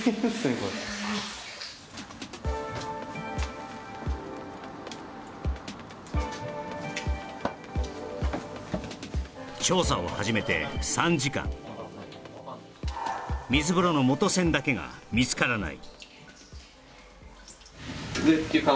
これ調査を始めて３時間水風呂の元栓だけが見つからない